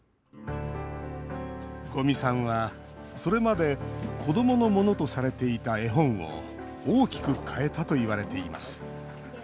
五味さんは、それまで子どものものとされていた絵本を大きく変えたといわれています。